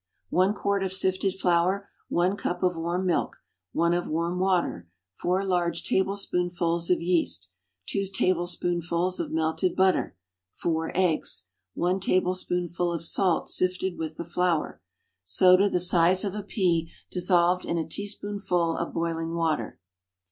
One quart of sifted flour. One cup of warm milk. One of warm water. Four large tablespoonfuls of yeast. Two tablespoonfuls of melted butter. Four eggs. One tablespoonful of salt sifted with the flour. Soda the size of a pea, dissolved in a teaspoonful of boiling water.